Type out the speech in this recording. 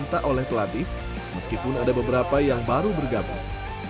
dan juga meminta oleh pelatih meskipun ada beberapa yang baru bergabung